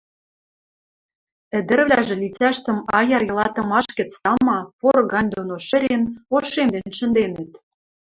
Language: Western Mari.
Ӹдӹрвлӓжӹ лицӓштӹм аяр йылатымаш гӹц, тама, пор гань доно шӹрен, ошемден шӹнденӹт.